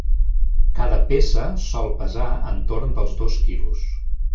Cada peça sol pesar entorn dels dos quilos.